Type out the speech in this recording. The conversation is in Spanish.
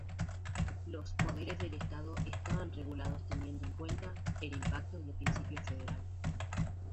Los poderes del Estado estaban regulados teniendo en cuenta el "impacto" del principio federal.